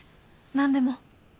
何でも。